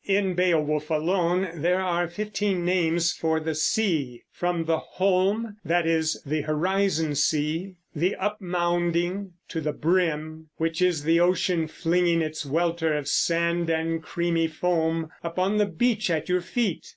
In Beowulf alone there are fifteen names for the sea, from the holm, that is, the horizon sea, the "upmounding," to the brim, which is the ocean flinging its welter of sand and creamy foam upon the beach at your feet.